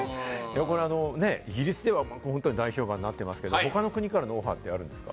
イギリスでは大評判になっていますけれども、他の国からのオファーってあるんですか？